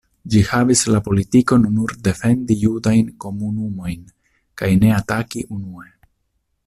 Ĝi havis la politikon nur defendi judajn komunumojn kaj ne ataki unue.